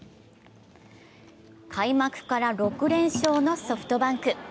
開幕から６連勝のソフトバンク。